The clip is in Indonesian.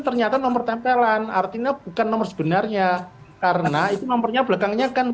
ternyata nomor tempelan artinya bukan nomor sebenarnya karena itu nomornya belakangnya kan